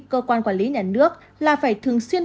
cơ quan quản lý nhà nước là phải thường xuyên